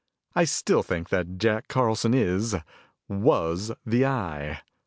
"I still think that Jack Carlson is was the Eye.